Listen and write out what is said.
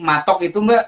matok itu mbak